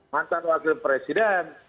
mantan wakil presiden